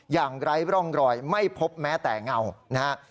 อย่างไร้ร่องรอยไม่พบแม้แต่เงานะฮะ